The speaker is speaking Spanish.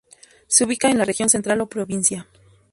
Se ubica en la región central o provincia.